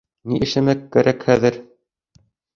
Ни эшләмәк кәрәк хәҙер?